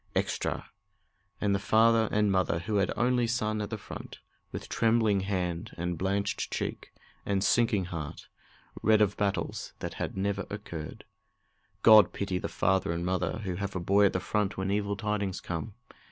Extra!" And the father and mother who had an only son at the front, with trembling hand, and blanched cheek, and sinking heart, read of battles that had never occurred. God pity the father and mother who have a boy at the front when evil tidings come!